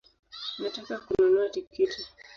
Nataka kununua tikiti